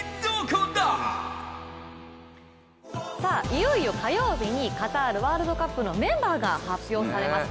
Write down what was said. いよいよ火曜日にカタールワールドカップのメンバーが発表されます。